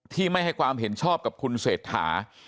ไม่ให้ความเห็นชอบกับคุณเศรษฐา